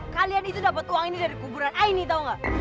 kalian itu dapat uang ini dari kuburan aini tahu nggak